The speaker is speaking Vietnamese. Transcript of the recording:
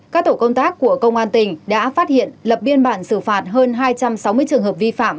các tổ công tác của công an tỉnh đã phát hiện lập biên bản xử phạt hơn hai trăm sáu mươi trường hợp vi phạm